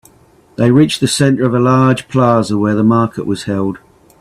They reached the center of a large plaza where the market was held.